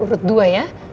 urut dua ya